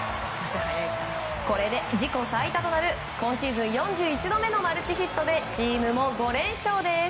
これで自己最多となる今シーズン４１度目のマルチヒットでチームも５連勝です。